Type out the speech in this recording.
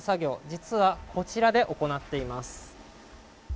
実は、こちらで行っています。